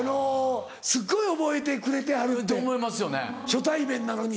すっごい覚えてくれてはるって初対面なのに。